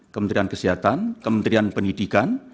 kementerian kesehatan kementerian pendidikan